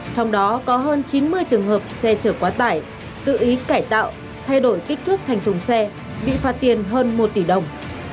trong đó có hơn chín mươi trường hợp xe chở quá tải tự ý cải tạo thay đổi kích thước thành thùng xe bị phạt tiền hơn một tỷ đồng